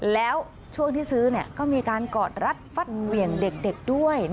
แล้วช่วงที่ซื้อก็มีการกอดรัดฟัดเหวี่ยงเด็กด้วย